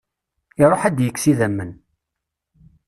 Iruḥ ad d-yekkes idammen.